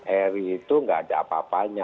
eri itu gak ada apa apanya